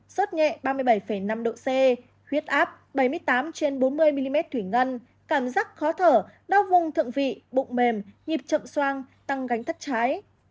sốt nhẹ ba mươi bảy năm độ c huyết áp bảy mươi tám trên bốn mươi mm thủy ngân cảm giác khó thở đau vùng thượng vị bụng mềm nhịp chậm soang tăng gánh thất trái